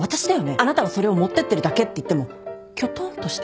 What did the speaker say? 「あなたはそれを持ってってるだけ」って言ってもきょとんとして。